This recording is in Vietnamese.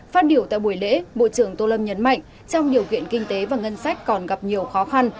phát biểu tại buổi lễ bộ trưởng tô lâm nhấn mạnh trong điều kiện kinh tế và ngân sách còn gặp nhiều khó khăn